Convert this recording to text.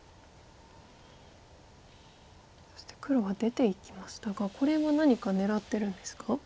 そして黒は出ていきましたがこれは何か狙ってるんですか？